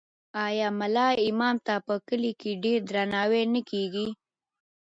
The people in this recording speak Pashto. آیا ملا امام ته په کلي کې ډیر درناوی نه کیږي؟